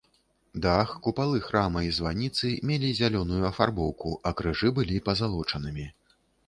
Дах, купалы храма і званіцы мелі зялёную афарбоўку, а крыжы былі пазалочанымі.